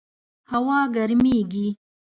هوا ګرمیږي